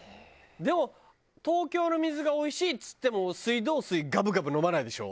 でも東京の水がおいしいっつっても水道水ガブガブ飲まないでしょ？